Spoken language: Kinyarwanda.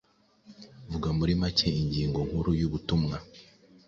Vuga muri make ingingo nkuru yubutumwa